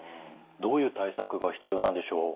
どういう対策が必要なんでしょう？